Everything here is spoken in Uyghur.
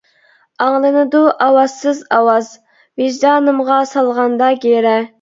ئاڭلىنىدۇ ئاۋازسىز ئاۋاز، ۋىجدانىمغا سالغاندا گىرە.